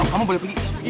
kamu boleh pergi